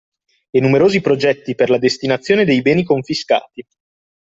E numerosi progetti per la destinazione dei beni confiscati.